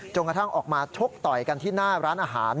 กระทั่งออกมาชกต่อยกันที่หน้าร้านอาหาร